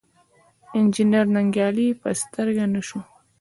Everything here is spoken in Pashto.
انجنیر ننګیالی په سترګه نه شو.